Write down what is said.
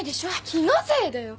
気のせいだよ。